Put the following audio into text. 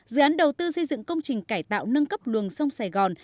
dự án đầu tư xây dựng công trình cải tạo nâng cấp luồng sông sài gòn